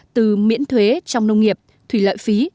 từ miễn thuế trong nông nghiệp thủy lợi phí